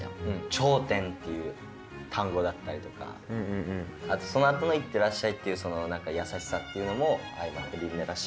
「頂点」っていう単語だったりとかあとそのあとの「いってらっしゃい」っていうその何か優しさっていうのも相まってよかった。